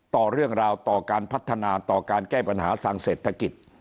ต่อเรื่องราวต่อการพัฒนาต่อการแก้ปัญหาทางเศรษฐกิจ